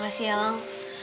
makasih ya lang